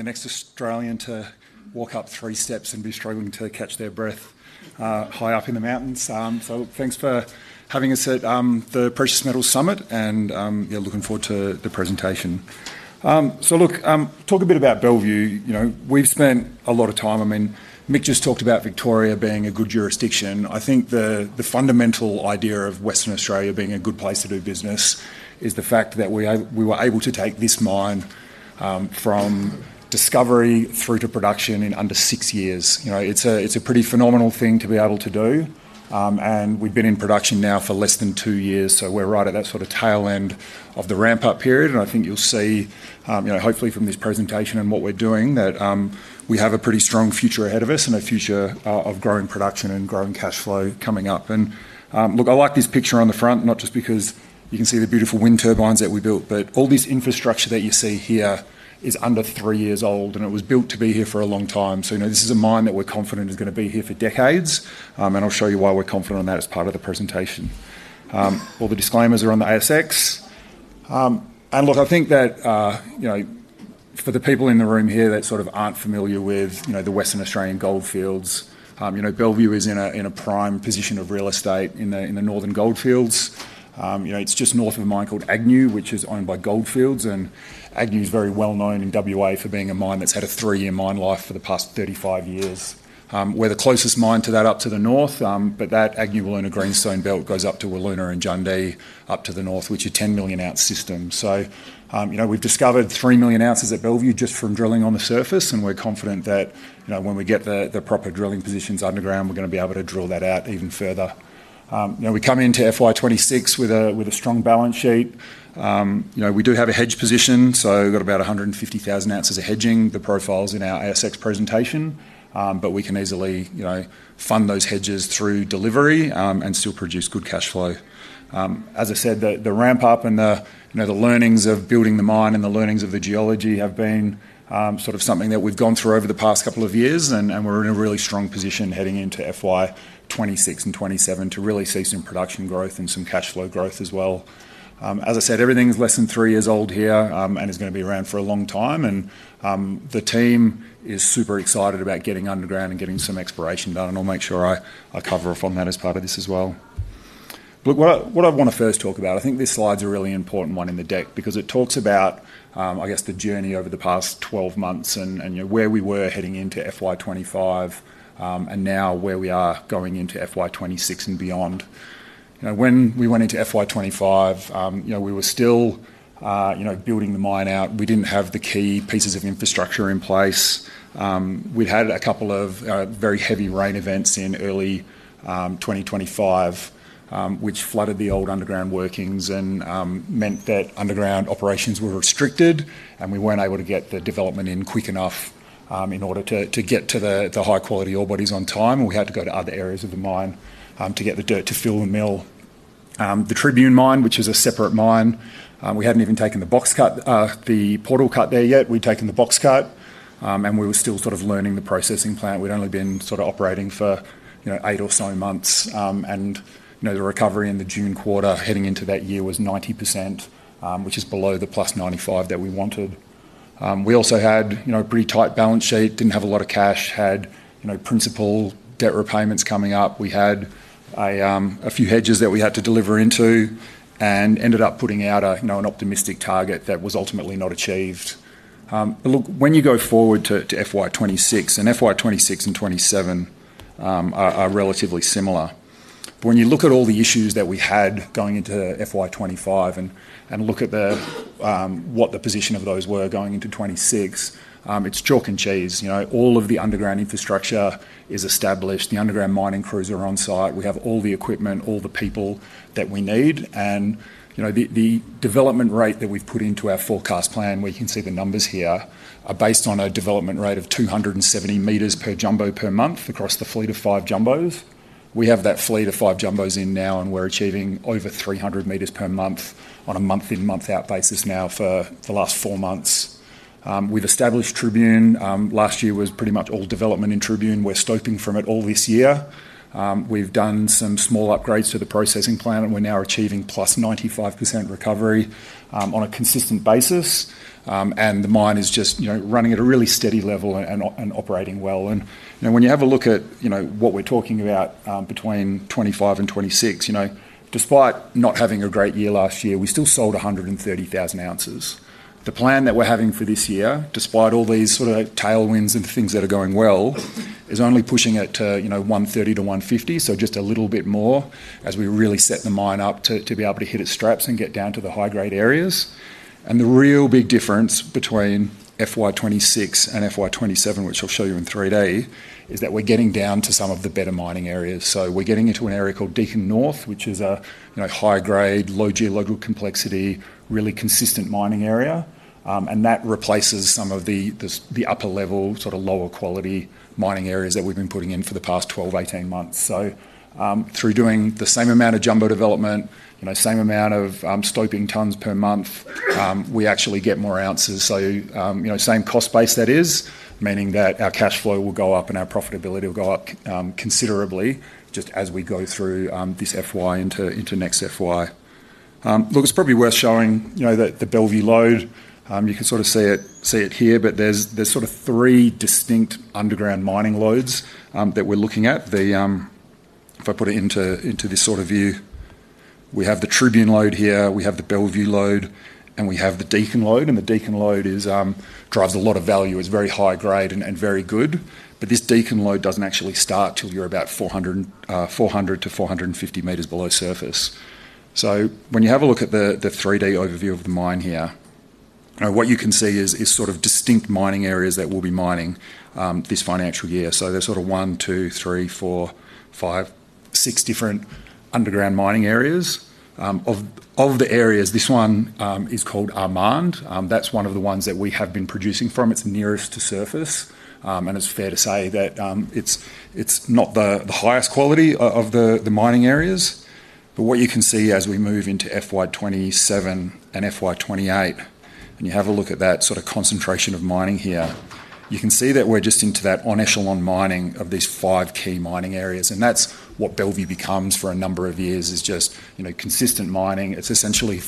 The next Australian to walk up three steps and be struggling to catch their breath, high up in the mountains. Thanks for having us at the Precious Metals Summit and, yeah, looking forward to the presentation. Look, talk a bit about Bellevue. You know, we've spent a lot of time, I mean, Mick just talked about Victoria being a good jurisdiction. I think the fundamental idea of Western Australia being a good place to do business is the fact that we were able to take this mine from discovery through to production in under six years. You know, it's a pretty phenomenal thing to be able to do. We've been in production now for less than two years, so we're right at that sort of tail end of the ramp-up period. I think you'll see, hopefully from this presentation and what we're doing, that we have a pretty strong future ahead of us and a future of growing production and growing cash flow coming up. I like this picture on the front, not just because you can see the beautiful wind turbines that we built, but all this infrastructure that you see here is under three years old and it was built to be here for a long time. This is a mine that we're confident is going to be here for decades. I'll show you why we're confident on that as part of the presentation. All the disclaimers are on the ASX. I think that, for the people in the room here that sort of aren't familiar with the Western Australian gold fields, Bellevue is in a prime position of real estate in the northern goldfields. It's just north of a mine called Agnew, which is owned by Gold Fields Limited. Agnew is very well known in Western Australia for being a mine that's had a three-year mine life for the past 35 years. We're the closest mine to that up to the north, but that Agnew-Willunna greenstone belt goes up to Willunna and Jundi up to the north, which are 10 million ounce systems. We've discovered 3 million ounces at Bellevue just from drilling on the surface, and we're confident that when we get the proper drilling positions underground, we're going to be able to drill that out even further. We come into FY2026 with a strong balance sheet. We do have a hedge position, so we've got about 150,000 ounces of hedging. The profiles in our ASX presentation, but we can easily, you know, fund those hedges through delivery, and still produce good cash flow. As I said, the ramp-up and the, you know, the learnings of building the mine and the learnings of the geology have been, sort of something that we've gone through over the past couple of years, and we're in a really strong position heading into FY2026 and 2027 to really see some production growth and some cash flow growth as well. As I said, everything's less than three years old here, and it's going to be around for a long time. The team is super excited about getting underground and getting some exploration done, and I'll make sure I cover off on that as part of this as well. Look, what I want to first talk about, I think this slide's a really important one in the deck because it talks about, I guess, the journey over the past 12 months and, you know, where we were heading into FY2025, and now where we are going into FY2026 and beyond. You know, when we went into FY2025, you know, we were still, you know, building the mine out. We didn't have the key pieces of infrastructure in place. We'd had a couple of very heavy rain events in early 2025, which flooded the old underground workings and meant that underground operations were restricted and we weren't able to get the development in quick enough, in order to get to the high-quality ore bodies on time. We had to go to other areas of the mine to get the dirt to fill and mill. The Tribune mine, which is a separate mine, we hadn't even taken the box cut, the portal cut there yet. We'd taken the box cut, and we were still sort of learning the processing plant. We'd only been sort of operating for, you know, eight or so months, and, you know, the recovery in the June quarter heading into that year was 90%, which is below the plus 95% that we wanted. We also had, you know, a pretty tight balance sheet, didn't have a lot of cash, had, you know, principal debt repayments coming up. We had a few hedges that we had to deliver into and ended up putting out a, you know, an optimistic target that was ultimately not achieved. Look, when you go forward to FY2026, and FY2026 and 2027 are relatively similar, but when you look at all the issues that we had going into FY2025 and look at what the position of those were going into 2026, it's chalk and cheese. You know, all of the underground infrastructure is established. The underground mining crews are on site. We have all the equipment, all the people that we need. The development rate that we've put into our forecast plan, we can see the numbers here, are based on a development rate of 270 meters per jumbo per month across the fleet of five jumbos. We have that fleet of five jumbos in now, and we're achieving over 300 meters per month on a month-in, month-out basis now for the last four months. We've established Tribune. Last year was pretty much all development in Tribune. We're scoping from it all this year. We've done some small upgrades to the processing plant, and we're now achieving plus 95% recovery on a consistent basis. The mine is just running at a really steady level and operating well. When you have a look at what we're talking about, between 2025 and 2026, despite not having a great year last year, we still sold 130,000 ounces. The plan that we're having for this year, despite all these sort of tailwinds and things that are going well, is only pushing it to 130,000 to 150,000, so just a little bit more as we really set the mine up to be able to hit its straps and get down to the high-grade areas. The real big difference between FY2026 and FY2027, which I'll show you in 3D, is that we're getting down to some of the better mining areas. We're getting into an area called Deakin North, which is a high-grade, low geological complexity, really consistent mining area. That replaces some of the upper-level, sort of lower-quality mining areas that we've been putting in for the past 12 to 18 months. Through doing the same amount of jumbo development, same amount of scoping tons per month, we actually get more ounces. Same cost base, that is, meaning that our cash flow will go up and our profitability will go up considerably just as we go through this FY into next FY. It's probably worth showing the Bellevue load. You can sort of see it here, but there's three distinct underground mining loads that we're looking at. If I put it into this sort of view, we have the Tribune load here, we have the Bellevue load, and we have the Deakin load. The Deakin load drives a lot of value, is very high-grade and very good. This Deakin load doesn't actually start till you're about 400 to 450 meters below surface. When you have a look at the 3D overview of the mine here, what you can see is distinct mining areas that we'll be mining this financial year. There are one, two, three, four, five, six different underground mining areas. Of the areas, this one is called Armand. That's one of the ones that we have been producing from. It's nearest to surface, and it's fair to say that it's not the highest quality of the mining areas. What you can see as we move into FY2027 and FY2028, and you have a look at that concentration of mining here, you can see that we're just into that on-echelon mining of these five key mining areas. That's what Bellevue becomes for a number of years: just consistent mining. It's essentially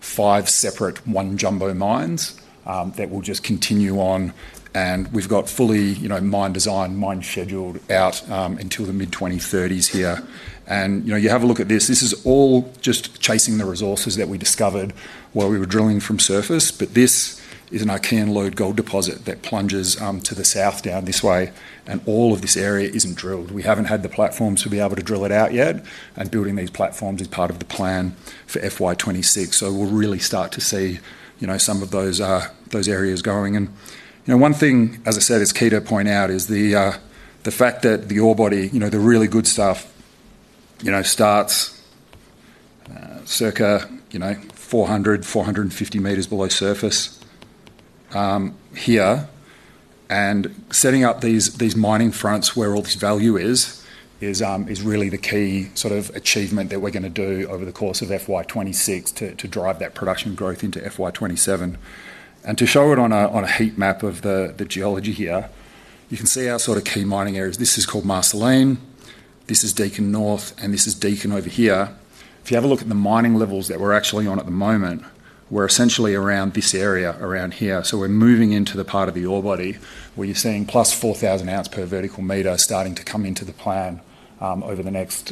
five separate one-jumbo mines that will just continue on. We've got fully mine design, mine scheduled out until the mid-2030s here. You have a look at this. This is all just chasing the resources that we discovered while we were drilling from surface. This is an arcane load gold deposit that plunges to the south down this way. All of this area isn't drilled. We haven't had the platforms to be able to drill it out yet, and building these platforms is part of the plan for FY2026. We'll really start to see some of those areas going. One thing, as I said, it's key to point out is the fact that the ore body, the really good stuff, starts circa 400, 450 meters below surface here. Setting up these mining fronts where all this value is, is really the key achievement that we're going to do over the course of FY2026 to drive that production growth into FY2027. To show it on a heat map of the geology here, you can see our key mining areas. This is called Marceline. This is Deakin North, and this is Deakin over here. If you have a look at the mining levels that we're actually on at the moment, we're essentially around this area around here. We're moving into the part of the ore body where you're seeing plus 4,000 ounce per vertical meter starting to come into the plan over the next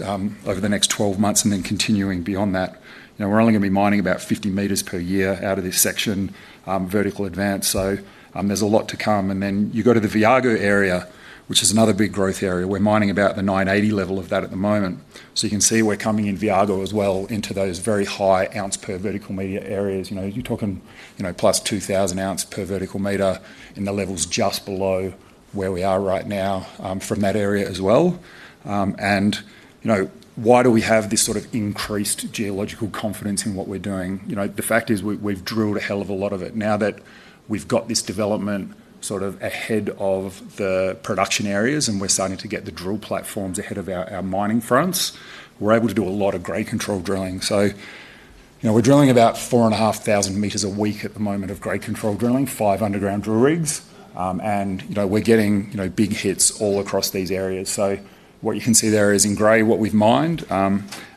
12 months and then continuing beyond that. We're only going to be mining about 50 meters per year out of this section, vertical advance. There's a lot to come. You go to the Viago area, which is another big growth area. We're mining about the 980 level of that at the moment. You can see we're coming in Viago as well into those very high ounce per vertical meter areas. You're talking plus 2,000 ounce per vertical meter in the levels just below where we are right now from that area as well. Why do we have this sort of increased geological confidence in what we're doing? The fact is we've drilled a hell of a lot of it. Now that we've got this development ahead of the production areas and we're starting to get the drill platforms ahead of our mining fronts, we're able to do a lot of grade control drilling. We're drilling about 4,500 meters a week at the moment of grade control drilling, five underground drill rigs, and we're getting big hits all across these areas. What you can see there is in gray what we've mined.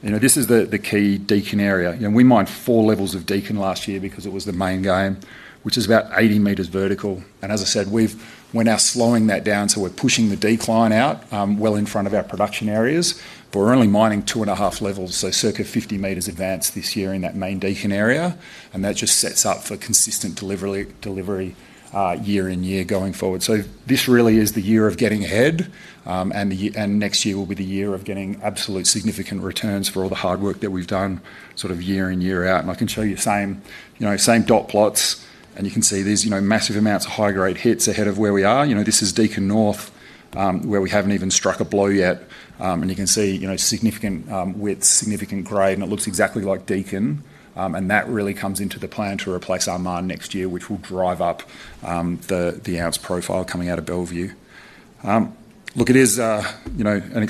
This is the key Deakin area. We mined four levels of Deakin last year because it was the main game, which is about 80 meters vertical. As I said, we're now slowing that down. We're pushing the decline out well in front of our production areas, but we're only mining two and a half levels, so circa 50 meters advanced this year in that main Deakin area. That just sets up for consistent delivery year in year going forward. This really is the year of getting ahead, and next year will be the year of getting absolute significant returns for all the hard work that we've done year in year out. I can show you the same dot plots, and you can see these massive amounts of high-grade hits ahead of where we are. This is Deakin North, where we haven't even struck a blow yet, and you can see significant widths, significant grade, and it looks exactly like Deakin. That really comes into the plan to replace our mine next year, which will drive up the ounce profile coming out of Bellevue. It is an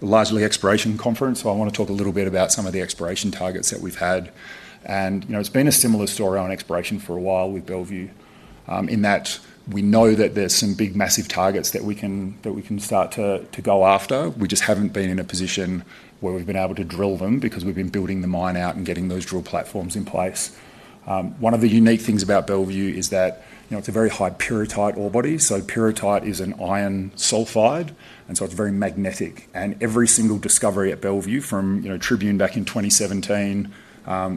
exploration conference, so I want to talk a little bit about some of the exploration targets that we've had. It's been a similar story on exploration for a while with Bellevue, in that we know that there's some big massive targets that we can start to go after. We just haven't been in a position where we've been able to drill them because we've been building the mine out and getting those drill platforms in place. One of the unique things about Bellevue is that, you know, it's a very high pyrite ore body. Pyrite is an iron sulfide, and so it's very magnetic. Every single discovery at Bellevue from Tribune back in 2017,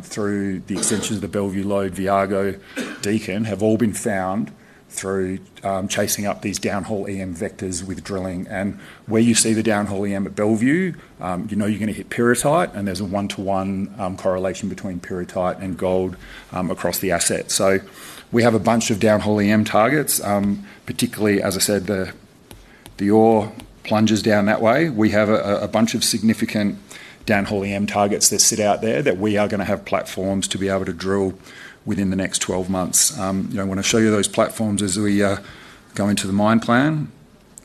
through the extensions of the Bellevue lode, Viago, Deakin, have all been found through chasing up these downhole EM vectors with drilling. Where you see the downhole EM at Bellevue, you know you're going to hit pyrite, and there's a one-to-one correlation between pyrite and gold across the asset. We have a bunch of downhole EM targets, particularly as I said, the ore plunges down that way. We have a bunch of significant downhole EM targets that sit out there that we are going to have platforms to be able to drill within the next 12 months. You know, when I show you those platforms as we go into the mine plan,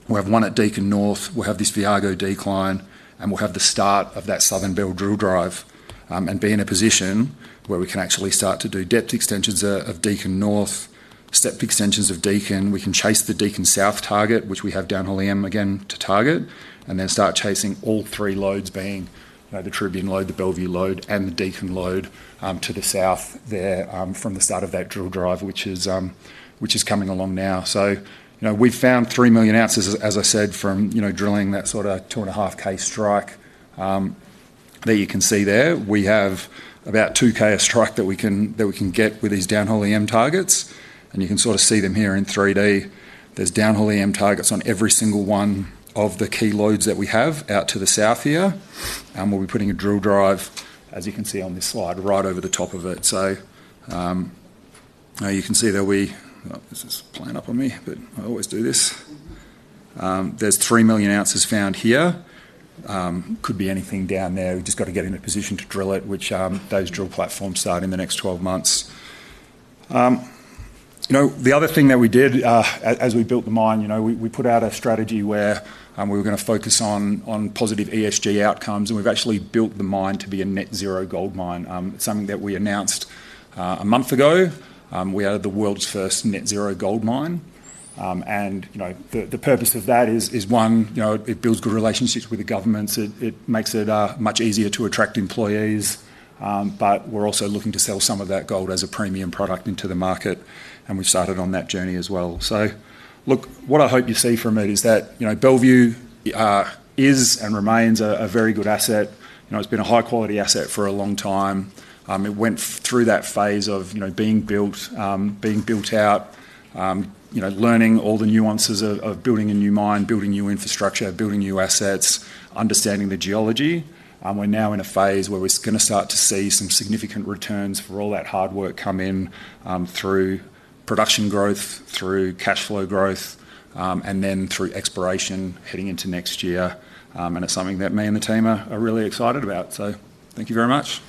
we'll have one at Deakin North, we'll have this Viago decline, and we'll have the start of that southern belt drill drive, and be in a position where we can actually start to do depth extensions of Deakin North, step extensions of Deakin. We can chase the Deakin South target, which we have downhole EM again to target, and then start chasing all three lodes being, you know, the Tribune lode, the Bellevue lode, and the Deakin lode, to the south there, from the start of that drill drive, which is coming along now. We've found 3 million ounces, as I said, from drilling that sort of 2.5K strike that you can see there. We have about 2K of strike that we can get with these downhole EM targets. You can sort of see them here in 3D. There's downhole EM targets on every single one of the key lodes that we have out to the south here. We'll be putting a drill drive, as you can see on this slide, right over the top of it. Now you can see that we—this is playing up on me, but I always do this. There's 3 million ounces found here. Could be anything down there. We've just got to get in a position to drill it, which those drill platforms start in the next 12 months. The other thing that we did as we built the mine, you know, we put out a strategy where we were going to focus on positive ESG outcomes. We've actually built the mine to be a net zero gold mine. It's something that we announced a month ago. We added the world's first net zero gold mine. The purpose of that is, one, it builds good relationships with the governments. It makes it much easier to attract employees. We're also looking to sell some of that gold as a premium product into the market, and we've started on that journey as well. What I hope you see from it is that Bellevue is and remains a very good asset. It's been a high-quality asset for a long time. It went through that phase of being built, being built out, learning all the nuances of building a new mine, building new infrastructure, building new assets, understanding the geology. We're now in a phase where we're going to start to see some significant returns for all that hard work come in through production growth, through cash flow growth, and then through exploration heading into next year. It's something that me and the team are really excited about. Thank you very much.